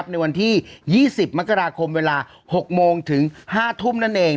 ในวันที่๒๐มกราคมเวลา๖โมงถึง๕ทุ่มนั่นเอง